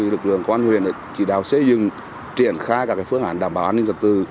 lực lượng quan huyền chỉ đào xây dựng triển khai các phương hành đảm bảo an ninh trật tư